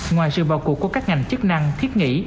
ngoài sự bảo cục của các ngành chức năng thiết nghĩ